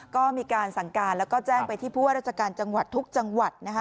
ก็มีการสั่งการแล้วก็แจ้งไปที่ผู้ว่าราชการจังหวัดทุกจังหวัดนะคะ